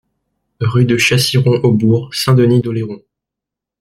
Rue de Chassiron Au Bourg, Saint-Denis-d'Oléron